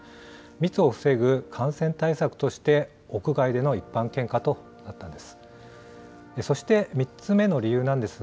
密を防ぐ感染対策として、屋外での一般献花となったんです。